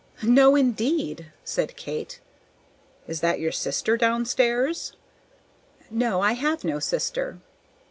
"No, indeed!" said Kate. "Is that your sister down stairs?" "No, I have no sister."